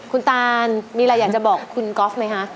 คุณตานมีอะไรอยากจะบอกคุณก๊อฟไหมคะ